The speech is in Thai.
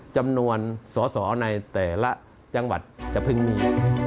จำนวนสอสอในแต่ละจังหวัดจะเพิ่งมี